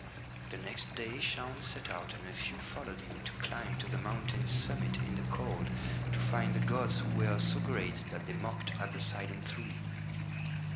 The next day Shaun set out and a few followed him to climb to the mountain's summit in the cold, to find the gods who were so great that they mocked at the silent three.